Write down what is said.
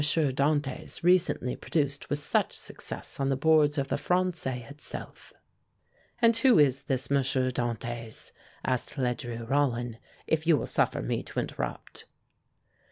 Dantès, recently produced with such success on the boards of the Français itself." "And who is this M. Dantès," asked Ledru Rollin, "if you will suffer me to interrupt?"